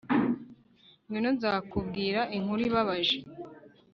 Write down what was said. ngwino, nzakubwira inkuru ibabaje